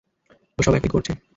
ও সব একাই করছে।